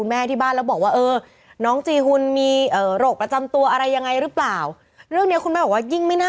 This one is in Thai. เพราะว่าตอนแรกเนี่ย